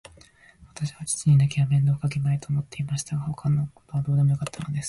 わたしは父にだけは面倒をかけまいと思っていましたが、そのほかのことはみんなどうでもよかったのです。